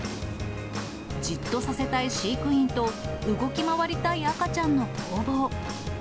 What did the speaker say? じっとさせたい飼育員と動き回りたい赤ちゃんの攻防。